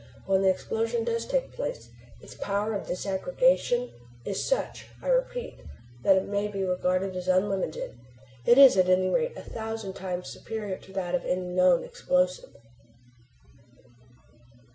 But when the explosion does take place its power of disaggregation is such I repeat that it may be regarded as unlimited. It is at any rate a thousand times superior to that of any known explosive.